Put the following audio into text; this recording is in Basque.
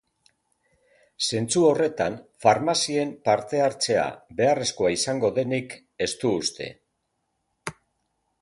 Zentzu horretan, farmazien parte-hartzea beharrezkoa izango denik ez du uste.